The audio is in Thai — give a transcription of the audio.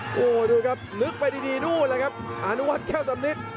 โอ้โหดูครับลึกไปดีดูเลยครับอนุวัติแค่วสำนิท